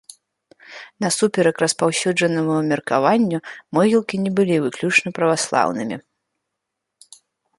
Насуперак распаўсюджанаму меркаванню, могілкі не былі выключна праваслаўнымі.